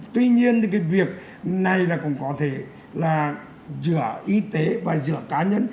tuy nhiên thì cái việc này là cũng có thể là giữa y tế và giữa cá nhân